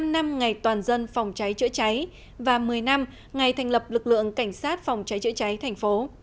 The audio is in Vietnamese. bảy mươi năm năm ngày toàn dân phòng cháy chữa cháy và một mươi năm ngày thành lập lực lượng cảnh sát phòng cháy chữa cháy thành phố